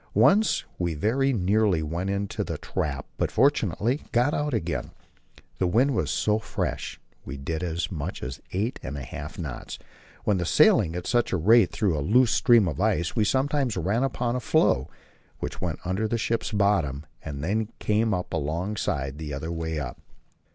Once we very nearly went into the trap, but fortunately got out again. The wind was so fresh that we did as much as eight and a half knots; when sailing at such a rate through a loose stream of ice, we sometimes ran upon a floe, which went under the ship's bottom, and came up alongside the other way up.